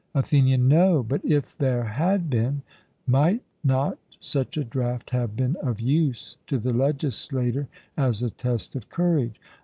ATHENIAN: No; but, if there had been, might not such a draught have been of use to the legislator as a test of courage?